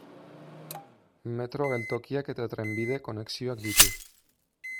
Metro geltokiak eta trenbide konexioak ditu.